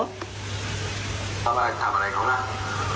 ทำอะไรทำอะไรครับ